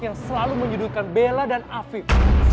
yang selalu menyudutkan bella dan afif